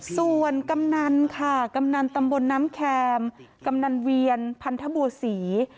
ส่วนกำนันค่ะกำนันตำบลน้ำแคมกำนันเวียนพันธบัวศรี